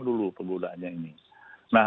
dulu penggunaannya ini nah